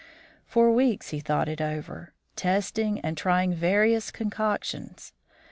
For weeks he thought it over, testing and trying various concoctions.